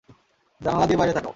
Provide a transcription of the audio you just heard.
জানালা দিয়ে বাইরে তাকাও।